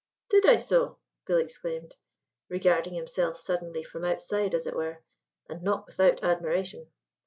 "Did I so?" Bill exclaimed, regarding himself suddenly from outside, as it were, and not without admiration.